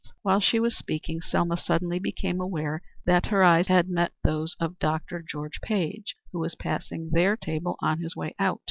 While she was speaking Selma suddenly became aware that her eyes had met those of Dr. George Page, who was passing their table on his way out.